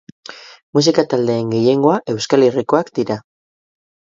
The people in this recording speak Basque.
Musika taldeen gehiengoa Euskal Herrikoak dira.